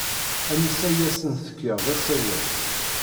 Anisa i asent-kkiɣ d asawen.